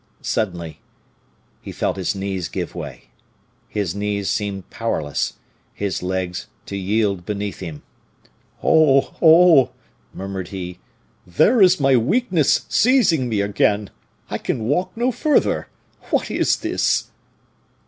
Suddenly he felt his knees give way; his knees seemed powerless, his legs to yield beneath him. "Oh! oh!" murmured he, "there is my weakness seizing me again! I can walk no further! What is this?"